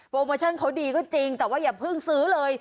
โมชั่นเขาดีก็จริงแต่ว่าอย่าเพิ่งซื้อเลย